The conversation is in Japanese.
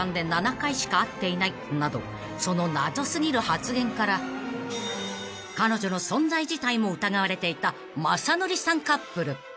［その謎過ぎる発言から彼女の存在自体も疑われていた雅紀さんカップル］